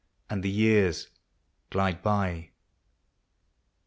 And the years glide by.